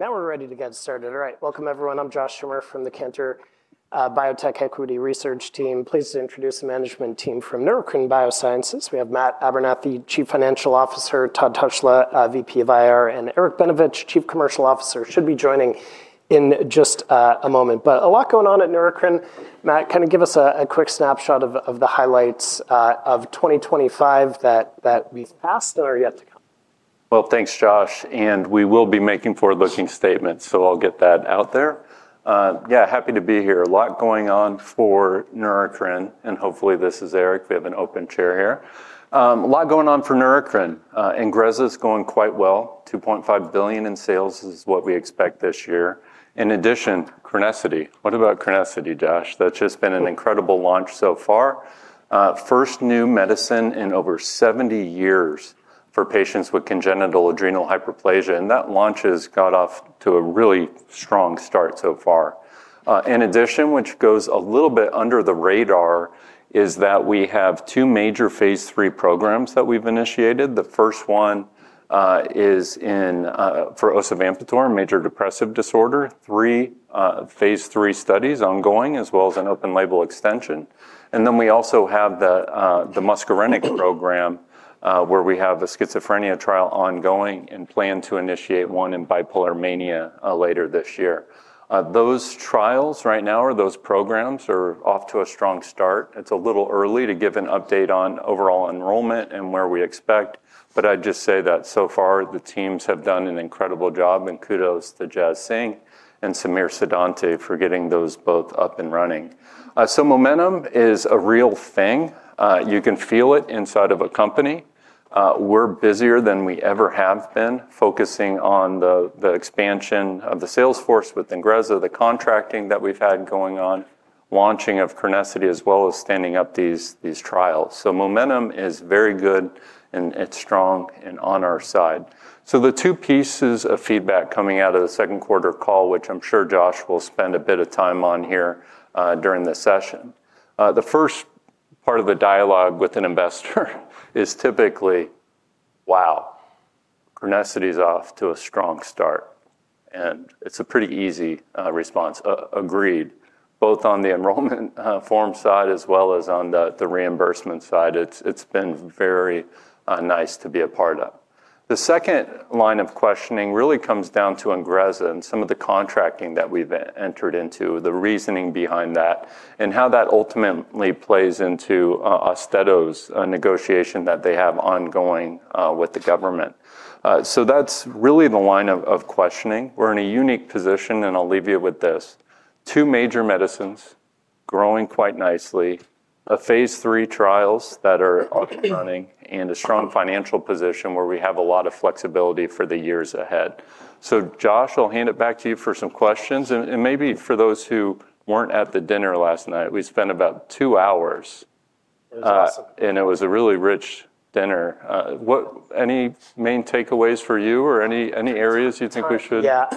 Now we're ready to get started. All right, welcome everyone. I'm Josh Schimmer from the Cantor Biotech Equity Research Team. Pleased to introduce the management team from Neurocrine Biosciences. We have Matt Abernethy, Chief Financial Officer, Todd Tushla, Vice President of Investor Relations, and Eric Benevich, Chief Commercial Officer, should be joining in just a moment. But a lot going on at Neurocrine. Matt, kind of give us a quick snapshot of the highlights of 2025 that we've passed and are yet to come. Well, thanks, Josh. And we will be making forward-looking statements, so I'll get that out there. Yeah, happy to be here. A lot going on for Neurocrine, and hopefully this is Eric. We have an open chair here. A lot going on for Neurocrine. INGREZZA is going quite well. $2.5 billion in sales is what we expect this year. In addition, CRENESSITY. What about CRENESSITY, Josh? That's just been an incredible launch so far. First new medicine in over 70 years for patients with congenital adrenal hyperplasia. And that launch has got off to a really strong start so far. In addition, which goes a little bit under the radar, is that we have two major phase III programs that we've initiated. The first one is for osavampator for major depressive disorder. Three phase III studies ongoing, as well as an open label extension. Then we also have the muscarinic program, where we have a schizophrenia trial ongoing and plan to initiate one in bipolar mania later this year. Those trials right now, or those programs, are off to a strong start. It's a little early to give an update on overall enrollment and where we expect. But I'd just say that so far, the teams have done an incredible job, and kudos to Jaskaran Singh and Samir Siddhanti for getting those both up and running. So momentum is a real thing. You can feel it inside of a company. We're busier than we ever have been, focusing on the expansion of the sales force with INGREZZA, the contracting that we've had going on, launching of CRENESSITY, as well as standing up these trials. So momentum is very good, and it's strong and on our side. So the two pieces of feedback coming out of the second quarter call, which I'm sure Josh will spend a bit of time on here during the session. The first part of the dialogue with an investor is typically, "Wow, CRENESSITY is off to a strong start." And it's a pretty easy response, agreed, both on the enrollment form side as well as on the reimbursement side. It's been very nice to be a part of. The second line of questioning really comes down to INGREZZA and some of the contracting that we've entered into, the reasoning behind that, and how that ultimately plays into AUSTEDO's negotiation that they have ongoing with the government. So that's really the line of questioning. We're in a unique position, and I'll leave you with this: two major medicines growing quite nicely, phase three trials that are up and running, and a strong financial position where we have a lot of flexibility for the years ahead. So Josh, I'll hand it back to you for some questions. And maybe for those who weren't at the dinner last night, we spent about two hours. It was awesome. And it was a really rich dinner. Any main takeaways for you or any areas you think we should? Yeah,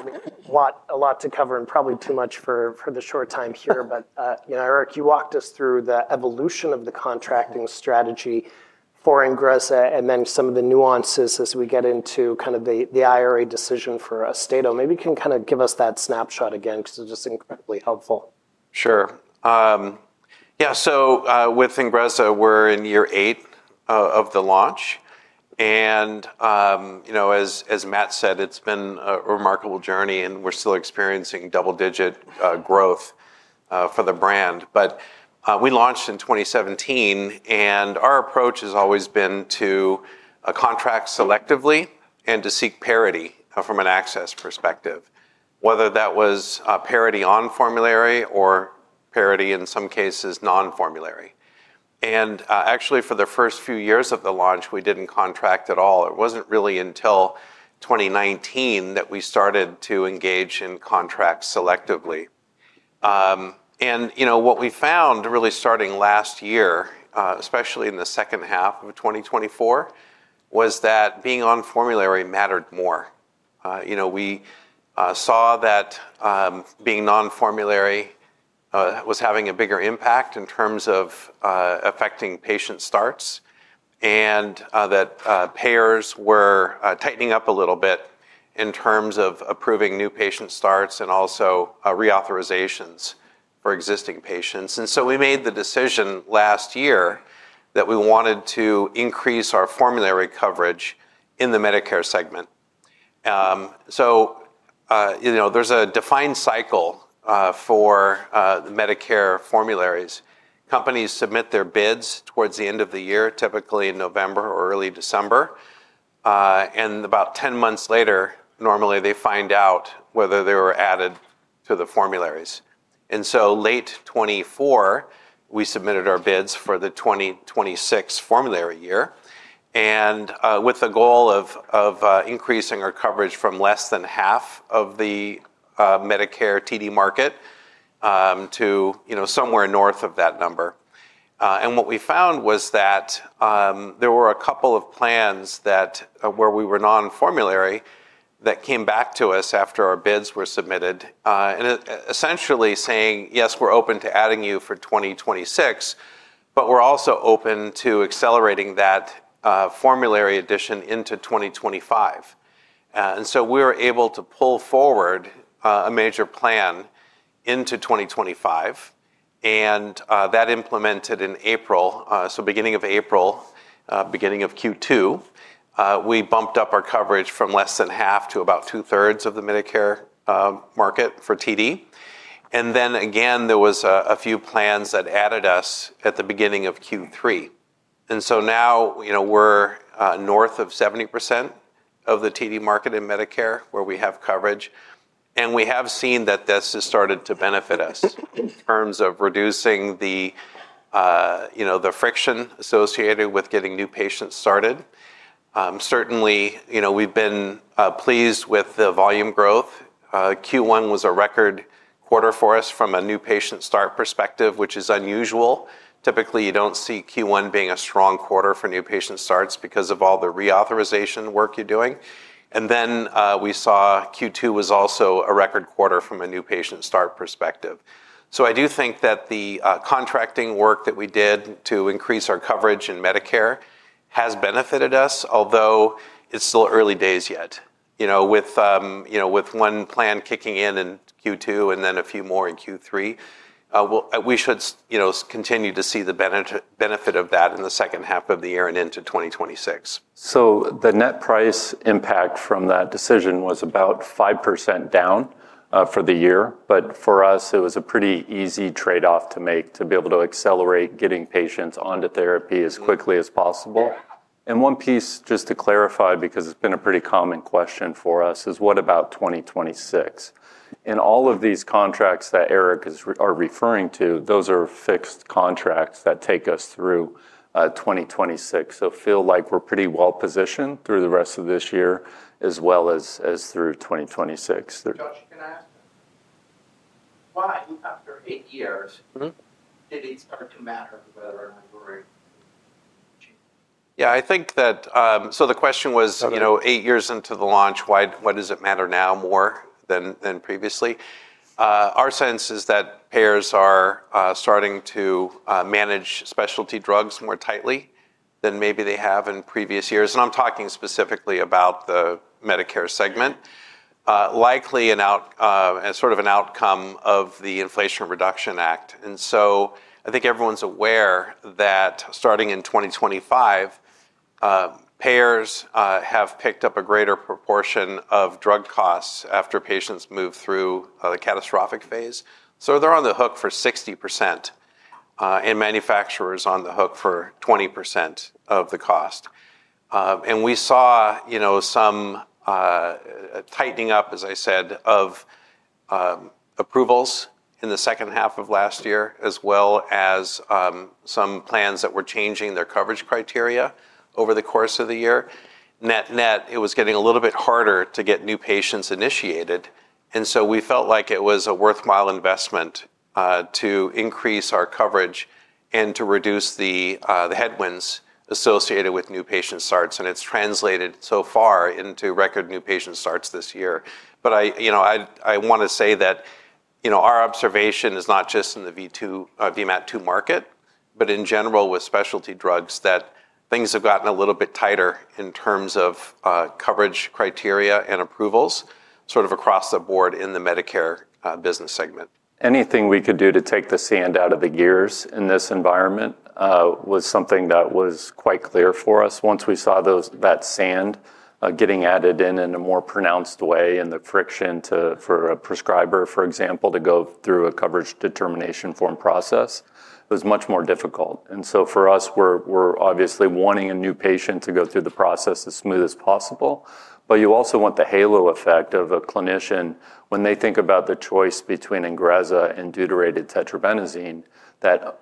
a lot to cover and probably too much for the short time here. But Eric, you walked us through the evolution of the contracting strategy for INGREZZA and then some of the nuances as we get into kind of the IRA decision for AUSTEDO. Maybe you can kind of give us that snapshot again because it's just incredibly helpful. Sure. Yeah, so with INGREZZA, we're in year eight of the launch. And as Matt said, it's been a remarkable journey, and we're still experiencing double-digit growth for the brand. But we launched in 2017, and our approach has always been to contract selectively and to seek parity from an access perspective, whether that was parity on formulary or parity, in some cases, non-formulary. And actually, for the first few years of the launch, we didn't contract at all. It wasn't really until 2019 that we started to engage in contracts selectively. And what we found really starting last year, especially in the second half of 2024, was that being on formulary mattered more. We saw that being non-formulary was having a bigger impact in terms of affecting patient starts and that payers were tightening up a little bit in terms of approving new patient starts and also reauthorizations for existing patients, and so we made the decision last year that we wanted to increase our formulary coverage in the Medicare segment, so there's a defined cycle for the Medicare formularies. Companies submit their bids towards the end of the year, typically in November or early December, and about 10 months later, normally they find out whether they were added to the formularies, and so late 2024, we submitted our bids for the 2026 formulary year with the goal of increasing our coverage from less than half of the Medicare TD market to somewhere north of that number. What we found was that there were a couple of plans where we were non-formulary that came back to us after our bids were submitted, essentially saying, "Yes, we're open to adding you for 2026, but we're also open to accelerating that formulary addition into 2025." And so we were able to pull forward a major plan into 2025. And that implemented in April, so beginning of April, beginning of Q2, we bumped up our coverage from less than half to about 2/3 of the Medicare market for TD. And then again, there were a few plans that added us at the beginning of Q3. And so now we're north of 70% of the TD market in Medicare where we have coverage. And we have seen that this has started to benefit us in terms of reducing the friction associated with getting new patients started. Certainly, we've been pleased with the volume growth. Q1 was a record quarter for us from a new patient start perspective, which is unusual. Typically, you don't see Q1 being a strong quarter for new patient starts because of all the reauthorization work you're doing, and then we saw Q2 was also a record quarter from a new patient start perspective, so I do think that the contracting work that we did to increase our coverage in Medicare has benefited us, although it's still early days yet. With one plan kicking in in Q2 and then a few more in Q3, we should continue to see the benefit of that in the second half of the year and into 2026. So the net price impact from that decision was about 5% down for the year. But for us, it was a pretty easy trade-off to make to be able to accelerate getting patients onto therapy as quickly as possible. And one piece, just to clarify, because it's been a pretty common question for us, is what about 2026? And all of these contracts that Eric is referring to, those are fixed contracts that take us through 2026. So I feel like we're pretty well-positioned through the rest of this year as well as through 2026. Josh, can I ask? Why, after eight years, did it start to matter whether or not we're changing? Yeah, I think that so the question was, eight years into the launch, why does it matter now more than previously? Our sense is that payers are starting to manage specialty drugs more tightly than maybe they have in previous years. And I'm talking specifically about the Medicare segment, likely as sort of an outcome of the Inflation Reduction Act. And so I think everyone's aware that starting in 2025, payers have picked up a greater proportion of drug costs after patients move through the catastrophic phase. So they're on the hook for 60%, and manufacturers on the hook for 20% of the cost. And we saw some tightening up, as I said, of approvals in the second half of last year, as well as some plans that were changing their coverage criteria over the course of the year. Net-net, it was getting a little bit harder to get new patients initiated. And so we felt like it was a worthwhile investment to increase our coverage and to reduce the headwinds associated with new patient starts. And it's translated so far into record new patient starts this year. But I want to say that our observation is not just in the VMAT2 market, but in general with specialty drugs, that things have gotten a little bit tighter in terms of coverage criteria and approvals sort of across the board in the Medicare business segment. Anything we could do to take the sand out of the gears in this environment was something that was quite clear for us. Once we saw that sand getting added in in a more pronounced way and the friction for a prescriber, for example, to go through a coverage determination form process, it was much more difficult. And so for us, we're obviously wanting a new patient to go through the process as smooth as possible. But you also want the halo effect of a clinician when they think about the choice between INGREZZA and deuterated tetrabenazine, that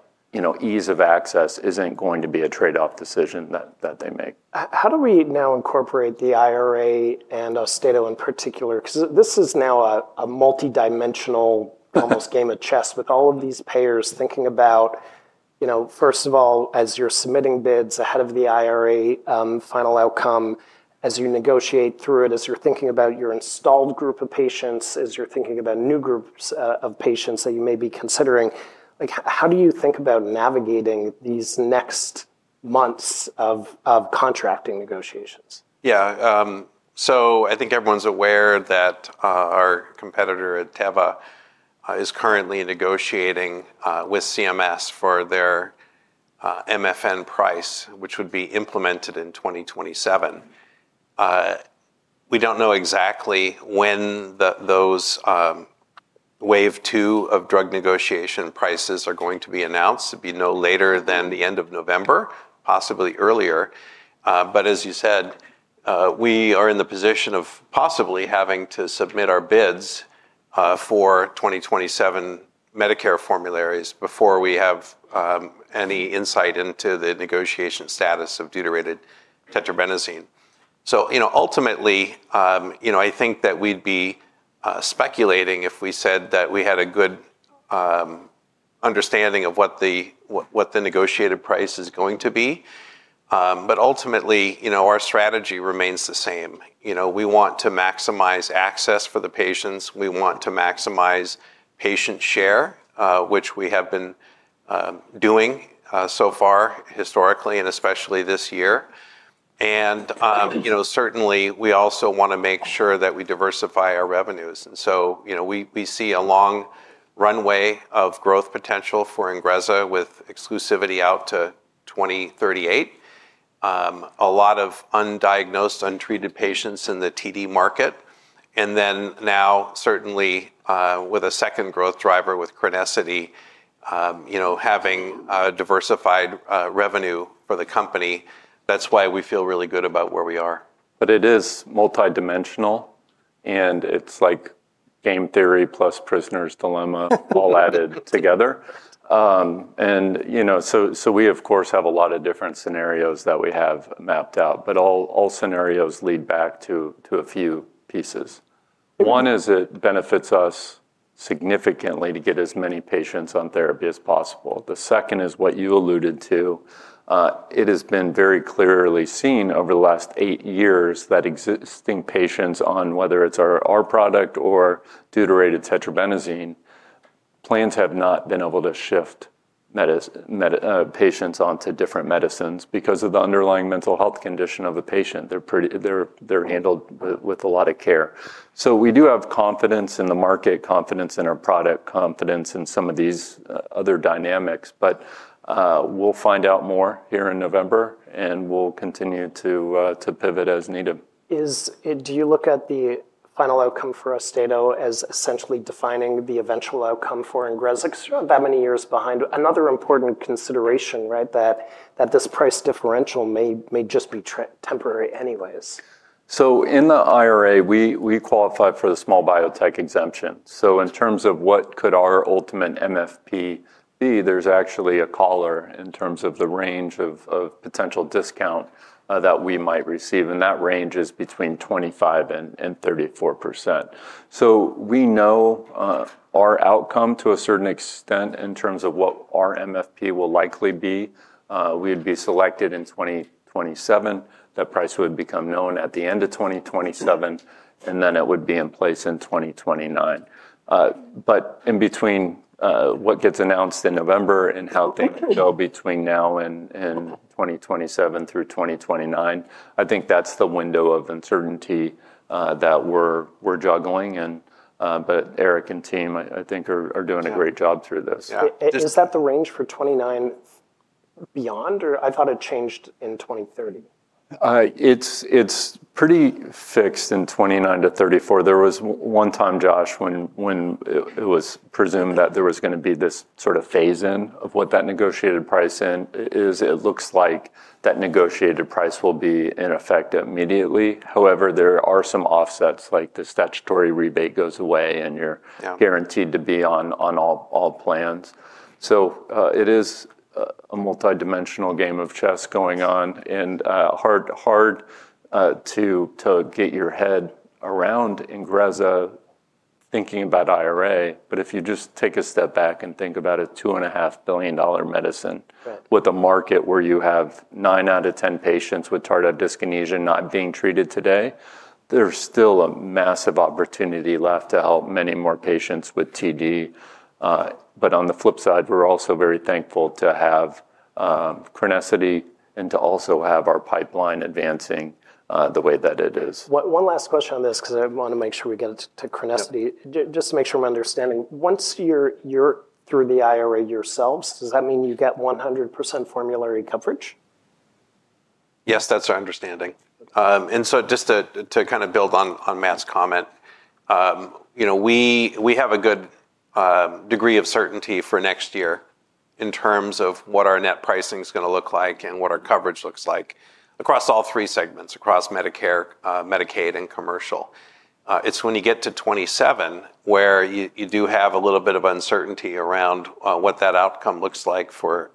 ease of access isn't going to be a trade-off decision that they make. How do we now incorporate the IRA and AUSTEDO in particular? Because this is now a multidimensional almost game of chess with all of these payers thinking about, first of all, as you're submitting bids ahead of the IRA final outcome, as you negotiate through it, as you're thinking about your installed group of patients, as you're thinking about new groups of patients that you may be considering. How do you think about navigating these next months of contracting negotiations? Yeah. So I think everyone's aware that our competitor, AUSTEDO, is currently negotiating with CMS for their MFN price, which would be implemented in 2027. We don't know exactly when those wave two of drug negotiation prices are going to be announced. It'd be no later than the end of November, possibly earlier. But as you said, we are in the position of possibly having to submit our bids for 2027 Medicare formularies before we have any insight into the negotiation status of deuterated tetrabenazine. So ultimately, I think that we'd be speculating if we said that we had a good understanding of what the negotiated price is going to be. But ultimately, our strategy remains the same. We want to maximize access for the patients. We want to maximize patient share, which we have been doing so far historically and especially this year. And certainly, we also want to make sure that we diversify our revenues. And so we see a long runway of growth potential for INGREZZA with exclusivity out to 2038, a lot of undiagnosed, untreated patients in the TD market. And then now, certainly with a second growth driver with CRENESSITY, having diversified revenue for the company, that's why we feel really good about where we are. But it is multidimensional, and it's like game theory plus prisoner's dilemma all added together. And so we, of course, have a lot of different scenarios that we have mapped out. But all scenarios lead back to a few pieces. One is it benefits us significantly to get as many patients on therapy as possible. The second is what you alluded to. It has been very clearly seen over the last eight years that existing patients, on whether it's our product or deuterated tetrabenazine, plans have not been able to shift patients onto different medicines because of the underlying mental health condition of the patient. They're handled with a lot of care. So we do have confidence in the market, confidence in our product, confidence in some of these other dynamics. But we'll find out more here in November, and we'll continue to pivot as needed. Do you look at the final outcome for AUSTEDO as essentially defining the eventual outcome for INGREZZA? That many years behind. Another important consideration that this price differential may just be temporary anyways. So in the IRA, we qualify for the small biotech exemption. So in terms of what could our ultimate MFP be, there's actually a collar in terms of the range of potential discount that we might receive. And that range is between 25% and 34%. So we know our outcome to a certain extent in terms of what our MFP will likely be. We'd be selected in 2027. That price would become known at the end of 2027, and then it would be in place in 2029. But in between what gets announced in November and how things go between now and 2027 through 2029, I think that's the window of uncertainty that we're juggling. But Eric and team, I think, are doing a great job through this. Is that the range for 2029 beyond, or I thought it changed in 2030? It's pretty fixed in 2029 to 2034. There was one time, Josh, when it was presumed that there was going to be this sort of phase-in of what that negotiated price is. It looks like that negotiated price will be in effect immediately. However, there are some offsets, like the statutory rebate goes away, and you're guaranteed to be on all plans. So it is a multidimensional game of chess going on and hard to get your head around INGREZZA thinking about IRA. But if you just take a step back and think about a $2.5 billion medicine with a market where you have 9 out of 10 patients with tardive dyskinesia not being treated today, there's still a massive opportunity left to help many more patients with TD. But on the flip side, we're also very thankful to have CRENESSITY and to also have our pipeline advancing the way that it is. One last question on this, because I want to make sure we get it to CRENESSITY, just to make sure I'm understanding. Once you're through the IRA yourselves, does that mean you get 100% formulary coverage? Yes, that's our understanding. And so just to kind of build on Matt's comment, we have a good degree of certainty for next year in terms of what our net pricing is going to look like and what our coverage looks like across all three segments, across Medicare, Medicaid, and commercial. It's when you get to 2027 where you do have a little bit of uncertainty around what that outcome looks like for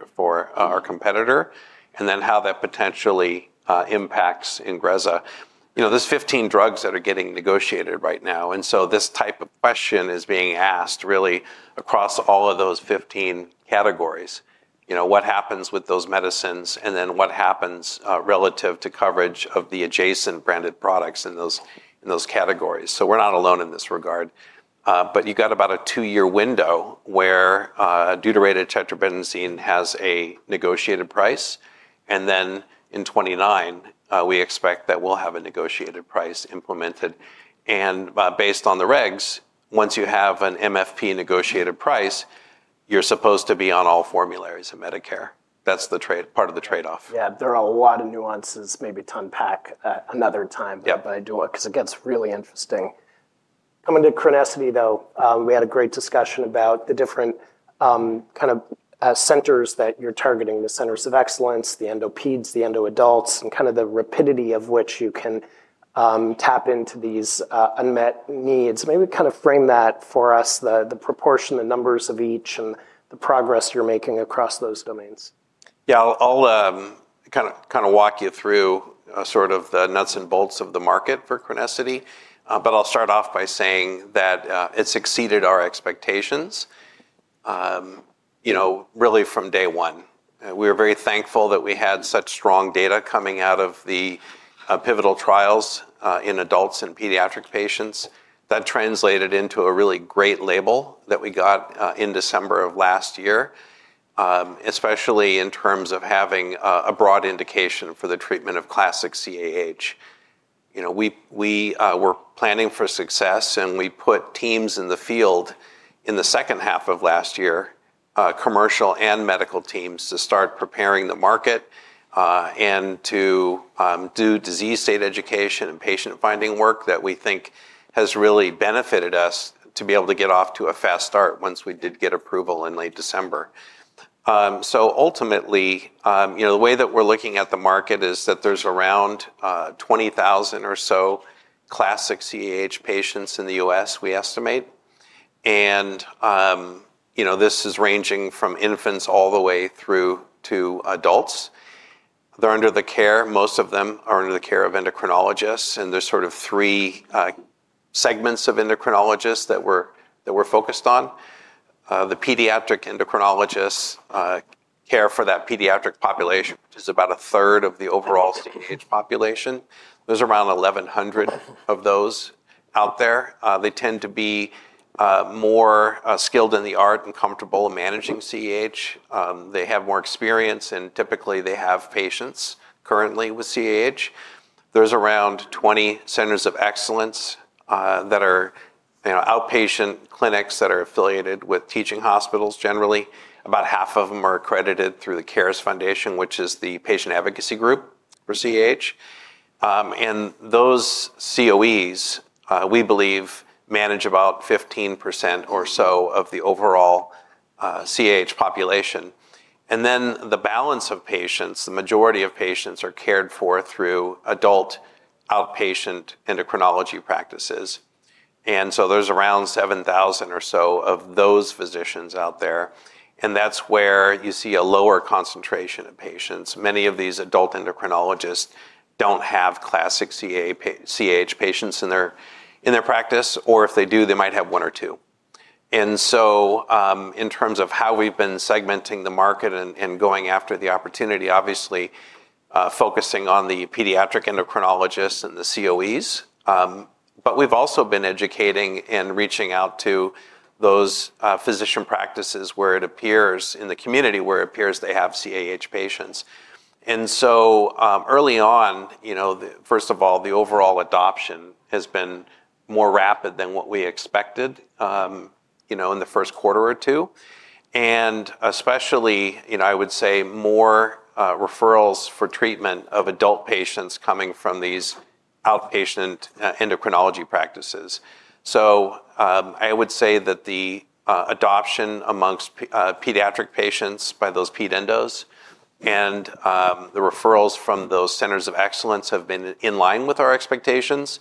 our competitor and then how that potentially impacts INGREZZA. There's 15 drugs that are getting negotiated right now. And so this type of question is being asked really across all of those 15 categories. What happens with those medicines, and then what happens relative to coverage of the adjacent branded products in those categories? So we're not alone in this regard. But you've got about a two-year window where deuterated tetrabenazine has a negotiated price. And then in 2029, we expect that we'll have a negotiated price implemented. And based on the regs, once you have an MFP negotiated price, you're supposed to be on all formularies of Medicare. That's part of the trade-off. Yeah, there are a lot of nuances. Maybe to unpack another time, but I do want because it gets really interesting. Coming to CRENESSITY, though, we had a great discussion about the different kind of centers that you're targeting, the centers of excellence, the endo peds, the endo adults, and kind of the rapidity of which you can tap into these unmet needs. Maybe kind of frame that for us, the proportion, the numbers of each, and the progress you're making across those domains. Yeah, I'll kind of walk you through sort of the nuts and bolts of the market for CRENESSITY. But I'll start off by saying that it's exceeded our expectations really from day one. We were very thankful that we had such strong data coming out of the pivotal trials in adults and pediatric patients. That translated into a really great label that we got in December of last year, especially in terms of having a broad indication for the treatment of classic CAH. We were planning for success, and we put teams in the field in the second half of last year, commercial and medical teams, to start preparing the market and to do disease state education and patient finding work that we think has really benefited us to be able to get off to a fast start once we did get approval in late December. So ultimately, the way that we're looking at the market is that there's around 20,000 or so classic CAH patients in the U.S., we estimate. And this is ranging from infants all the way through to adults. They're under the care. Most of them are under the care of endocrinologists. And there's sort of three segments of endocrinologists that we're focused on. The pediatric endocrinologists care for that pediatric population, which is about 1/3 of the overall CAH population. There's around 1,100 of those out there. They tend to be more skilled in the art and comfortable managing CAH. They have more experience, and typically, they have patients currently with CAH. There's around 20 Centers of Excellence that are outpatient clinics that are affiliated with teaching hospitals generally. About half of them are accredited through the CARES Foundation, which is the patient advocacy group for CAH. Those COEs, we believe, manage about 15% or so of the overall CAH population. Then the balance of patients, the majority of patients are cared for through adult outpatient endocrinology practices. So there's around 7,000 or so of those physicians out there. That's where you see a lower concentration of patients. Many of these adult endocrinologists don't have classic CAH patients in their practice. Or if they do, they might have one or two. In terms of how we've been segmenting the market and going after the opportunity, obviously focusing on the pediatric endocrinologists and the COEs. But we've also been educating and reaching out to those physician practices where it appears in the community they have CAH patients. And so early on, first of all, the overall adoption has been more rapid than what we expected in the first quarter or two. And especially, I would say more referrals for treatment of adult patients coming from these outpatient endocrinology practices. So I would say that the adoption amongst pediatric patients by those ped endos and the referrals from those Centers of Excellence have been in line with our expectations.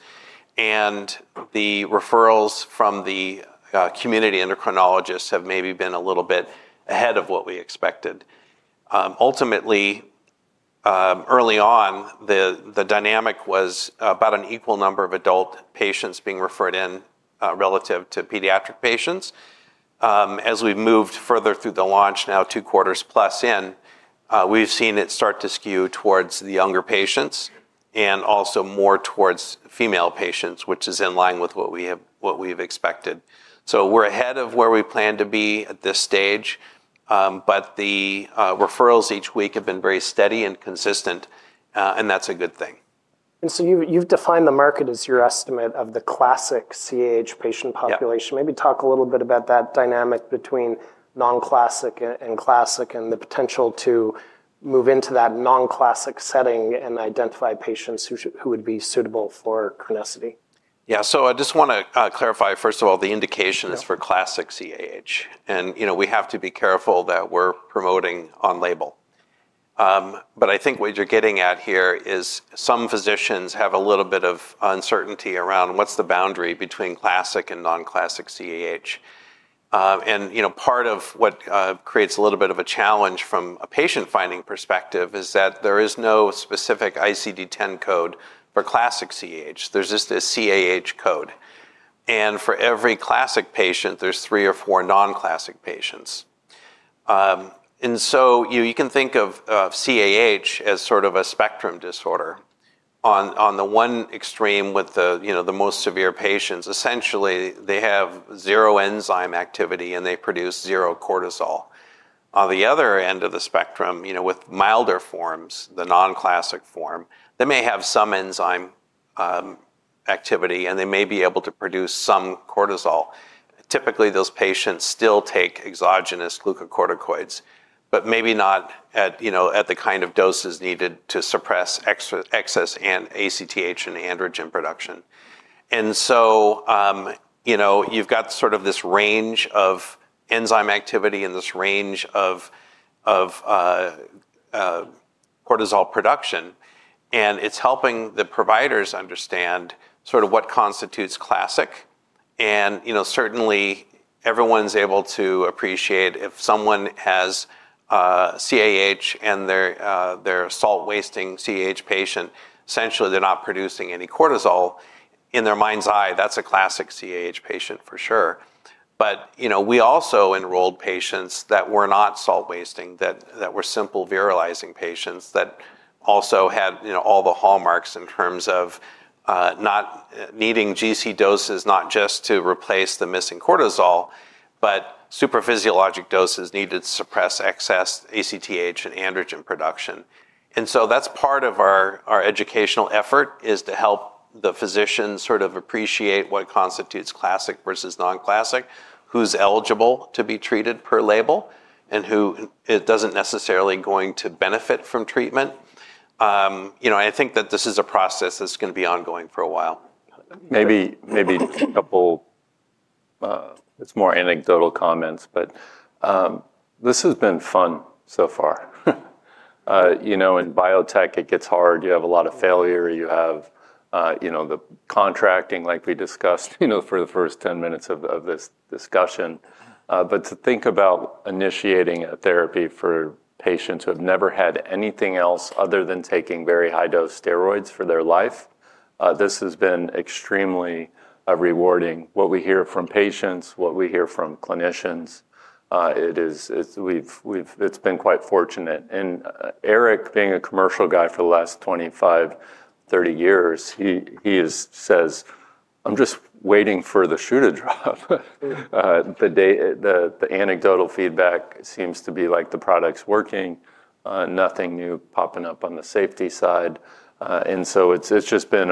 And the referrals from the community endocrinologists have maybe been a little bit ahead of what we expected. Ultimately, early on, the dynamic was about an equal number of adult patients being referred in relative to pediatric patients. As we've moved further through the launch, now two quarters plus in, we've seen it start to skew towards the younger patients and also more towards female patients, which is in line with what we've expected. So we're ahead of where we plan to be at this stage. But the referrals each week have been very steady and consistent, and that's a good thing. So you've defined the market as your estimate of the classic CAH patient population. Maybe talk a little bit about that dynamic between non-classic and classic and the potential to move into that non-classic setting and identify patients who would be suitable for CRENESSITY. Yeah, so I just want to clarify, first of all, the indication is for classic CAH, and we have to be careful that we're promoting on label, but I think what you're getting at here is some physicians have a little bit of uncertainty around what's the boundary between classic and non-classic CAH, and part of what creates a little bit of a challenge from a patient-finding perspective is that there is no specific ICD-10 code for classic CAH. There's just a CAH code, and for every classic patient, there's three or four non-classic patients, and so you can think of CAH as sort of a spectrum disorder. On the one extreme with the most severe patients, essentially, they have zero enzyme activity, and they produce zero cortisol. On the other end of the spectrum, with milder forms, the non-classic form, they may have some enzyme activity, and they may be able to produce some cortisol. Typically, those patients still take exogenous glucocorticoids, but maybe not at the kind of doses needed to suppress excess ACTH and androgen production. And so you've got sort of this range of enzyme activity and this range of cortisol production. And it's helping the providers understand sort of what constitutes classic. And certainly, everyone's able to appreciate if someone has CAH and they're a salt-wasting CAH patient, essentially, they're not producing any cortisol. In their mind's eye, that's a classic CAH patient for sure. But we also enrolled patients that were not salt-wasting, that were simple virilizing patients that also had all the hallmarks in terms of not needing GC doses, not just to replace the missing cortisol, but super physiologic doses needed to suppress excess ACTH and androgen production. And so that's part of our educational effort is to help the physicians sort of appreciate what constitutes classic versus non-classic, who's eligible to be treated per label, and who it doesn't necessarily going to benefit from treatment. I think that this is a process that's going to be ongoing for a while. Maybe a couple of more anecdotal comments, but this has been fun so far. In biotech, it gets hard. You have a lot of failure. You have the contracting, like we discussed for the first 10 minutes of this discussion, but to think about initiating a therapy for patients who have never had anything else other than taking very high-dose steroids for their life, this has been extremely rewarding. What we hear from patients, what we hear from clinicians, it's been quite fortunate, and Eric, being a commercial guy for the last 25, 30 years, he says, "I'm just waiting for the shoe to drop." The anecdotal feedback seems to be like the product's working, nothing new popping up on the safety side. And so it's just been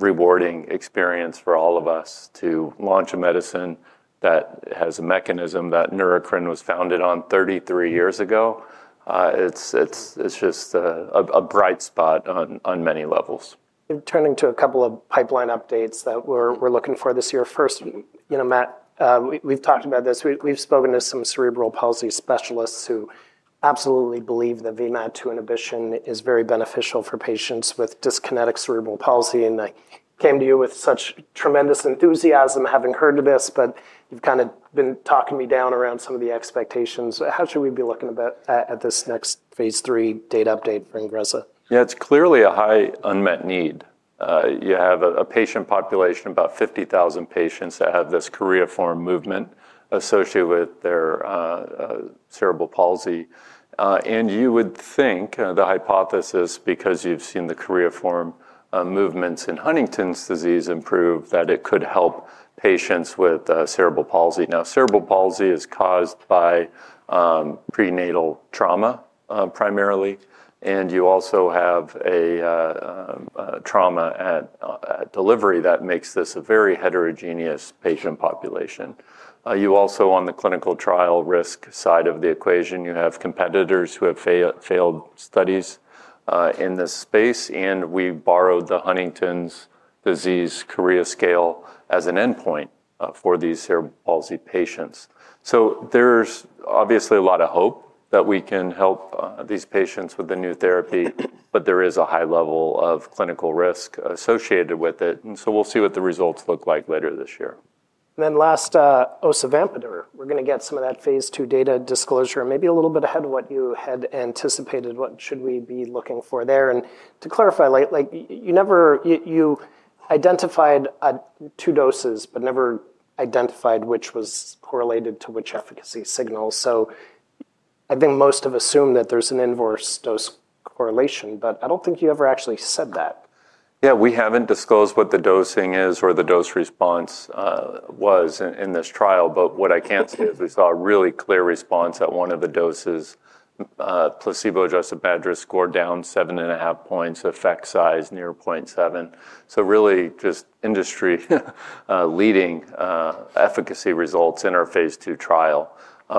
a really rewarding experience for all of us to launch a medicine that has a mechanism that Neurocrine was founded on 33 years ago. It's just a bright spot on many levels. Turning to a couple of pipeline updates that we're looking for this year. First, Matt, we've talked about this. We've spoken to some cerebral palsy specialists who absolutely believe that VMAT2 inhibition is very beneficial for patients with dyskinetic cerebral palsy. And I came to you with such tremendous enthusiasm having heard of this, but you've kind of been talking me down around some of the expectations. How should we be looking at this next phase III data update for INGREZZA? Yeah, it's clearly a high unmet need. You have a patient population, about 50,000 patients that have this choreiform movement associated with their cerebral palsy. And you would think, the hypothesis, because you've seen the choreiform movements in Huntington's disease improve, that it could help patients with cerebral palsy. Now, cerebral palsy is caused by prenatal trauma primarily. And you also have a trauma at delivery that makes this a very heterogeneous patient population. You also, on the clinical trial risk side of the equation, you have competitors who have failed studies in this space. And we borrowed the Huntington's disease chorea scale as an endpoint for these cerebral palsy patients. So there's obviously a lot of hope that we can help these patients with the new therapy, but there is a high level of clinical risk associated with it. We'll see what the results look like later this year. And then last, osavampator. We're going to get some of that phase II data disclosure, maybe a little bit ahead of what you had anticipated. What should we be looking for there? And to clarify, you identified two doses, but never identified which was correlated to which efficacy signal. So I think most have assumed that there's an inverse dose correlation. But I don't think you ever actually said that. Yeah, we haven't disclosed what the dosing is or the dose response was in this trial. But what I can say is we saw a really clear response at one of the doses: placebo-adjusted MADRS score down 7.5 points, effect size near 0.7. So really just industry-leading efficacy results in our phase II trial.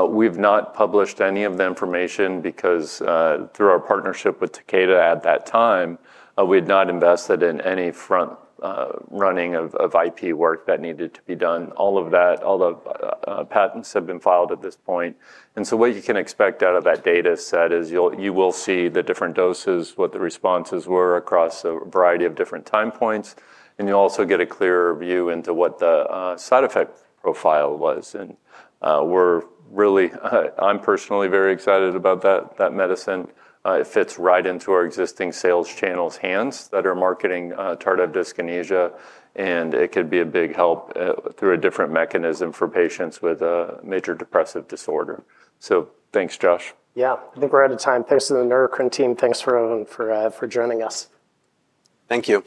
We've not published any of the information because through our partnership with Takeda at that time, we had not invested in any front-running of IP work that needed to be done. All of that, all the patents have been filed at this point. And so what you can expect out of that data set is you will see the different doses, what the responses were across a variety of different time points. And you'll also get a clearer view into what the side effect profile was. I'm personally very excited about that medicine. It fits right into our existing sales channels' hands that are marketing tardive dyskinesia. It could be a big help through a different mechanism for patients with a major depressive disorder. Thanks, Josh. Yeah, I think we're out of time. Thanks to the Neurocrine team. Thanks for joining us. Thank you.